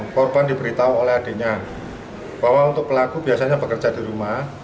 korban diberitahu oleh adiknya bahwa untuk pelaku biasanya bekerja di rumah